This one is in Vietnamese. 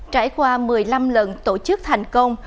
trải qua một mươi năm lần tổ chức thành công